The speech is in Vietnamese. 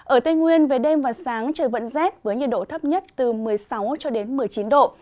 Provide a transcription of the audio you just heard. ở tây nguyên về đêm và sáng trời vẫn rét với nhiệt độ thấp nhất từ một mươi sáu cho đến một mươi chín độ